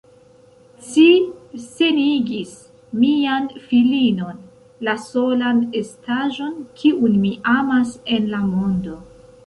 Ci senigis mian filinon, la solan estaĵon, kiun mi amas en la mondo.